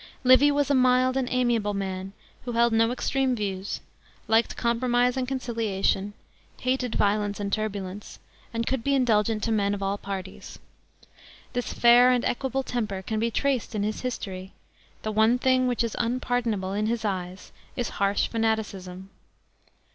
Livy was a mild and amiable man, who held no extreme views, liked compromise and conciliation, hated violence and turbulence, and could be indulgent to men of all parties. This lair and equable temper can be traced in his history; the one thing which is un pardonable in his eyes is harsh fanaticism.